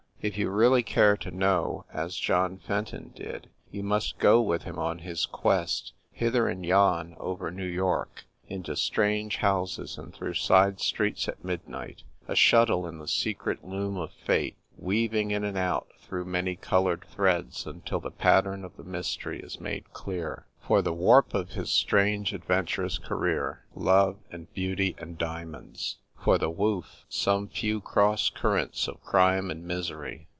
If you really care to know, as John Fenton did, you must go with him on his quest, hither and yon over New York, into strange houses and through side streets at midnight, a shuttle in the secret loom of fate, weaving in and out through many colored threads, until the pattern of the mystery is made clear. For the warp of his strange, adventurous career love and beauty and diamonds. For the woof some few cross currents of crime and misery.